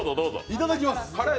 いただきます！